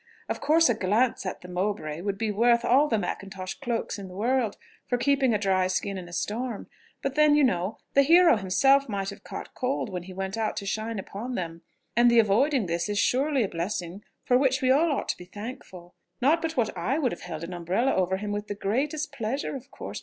Of course, a glance at the Mowbray would be worth all the Mackintosh cloaks in the world, for keeping a dry skin in a storm; but then, you know, the hero himself might have caught cold when he went out to shine upon them and the avoiding this is surely a blessing for which we all ought to be thankful: not but what I would have held an umbrella over him with the greatest pleasure, of course